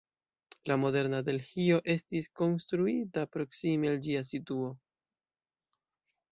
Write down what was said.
La moderna Delhio estis konstruita proksime al ĝia situo.